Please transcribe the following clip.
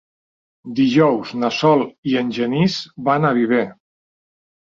Dijous na Sol i en Genís van a Viver.